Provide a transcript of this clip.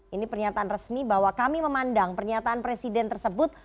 ini pernyataan resmi bahwa kami memandang pernyataan presiden tersebut